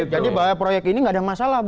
jadi bahwa proyek ini tidak ada masalah